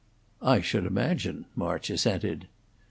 "I should imagine," March assented.